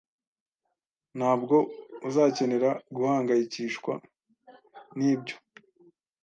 Ntabwo uzakenera guhangayikishwa nibyo.